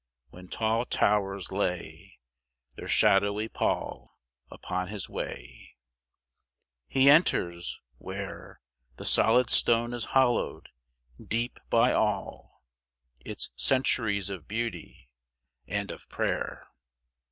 When tall towers lay Their shadowy pall Upon his way, He enters, where The solid stone is hollowed deep by all Its centuries of beauty and of prayer.